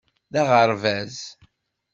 D aɣerbaz.